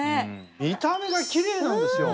見た目がきれいなんですよ。